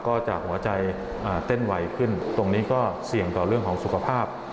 ก็จะหัวใจเต้นไวขึ้นตรงนี้ก็เสี่ยงต่อเรื่องของสุขภาพ